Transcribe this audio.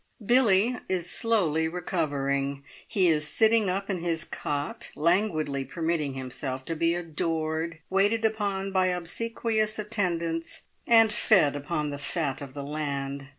Billie is slowly recovering. He is sitting up in his cot, languidly permitting himself to be adored, waited upon by obsequious attendants, and fed upon the fat of the land.